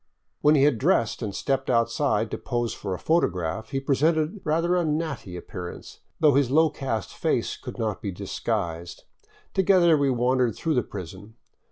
When he had dressed and stepped outside to pose for a photograph, he presented rather a " natty " appearance, though his low caste face could not be disguised. Together we wandered through the prison.